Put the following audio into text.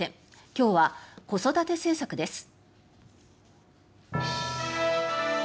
今日は、子育て政策です。